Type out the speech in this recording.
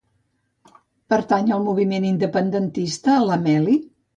Pertany al moviment independentista la Meli?